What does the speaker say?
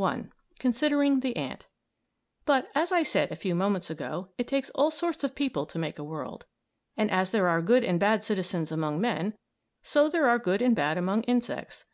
I. CONSIDERING THE ANT But, as I said a few moments ago, it takes all sorts of people to make a world; and as there are good and bad citizens among men, so there are good and bad among insects.